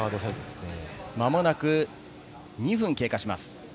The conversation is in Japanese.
間もなく２分経過します。